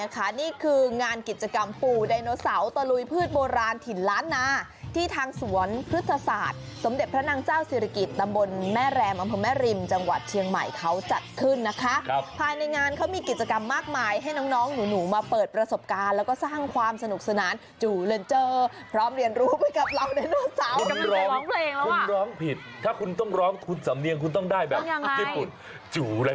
กำปู่ไดโนเสาร์ตะลุยพืชโบราณถิ่นล้านนาที่ทางสวนพฤษศาสตร์สมเด็จพระนางเจ้าศิริกิจตำบลแม่แรมอำพมแม่ริมจังหวัดเทียงใหม่เขาจัดขึ้นนะคะครับภายในงานเขามีกิจกรรมมากมายให้น้องน้องหนูหนูมาเปิดประสบการณ์แล้วก็สร้างความสนุกสนานจูเรนเจอร์พร้อมเรียนรู้ไปกับเราไดโนเสาร์ว้างเพ